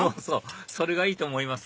それがいいと思います